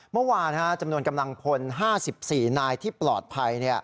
เมื่อวานจำนวนกำลังพล๕๔นายที่ปลอดภัย